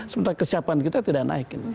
sementara kesiapan kita tidak naik